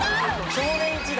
「少年時代」